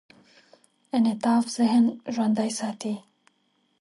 انعطاف ذهن ژوندي ساتي.